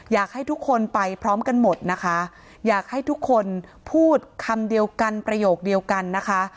อยากให้ทุกคนไปพร้อมกันหมดนะคะอยากให้ทุกคนพูดคำเดียวกันประโยคเดียวกันนะคะ